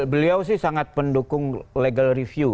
beliau sih sangat pendukung legal review